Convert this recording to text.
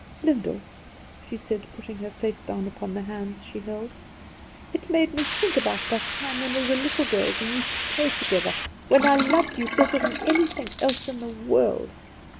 "Lyndall," she said, putting her face down upon the hands she held, "it made me think about that time when we were little girls and used to play together, when I loved you better than anything else in the world.